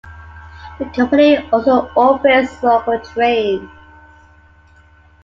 The company also operates local trains.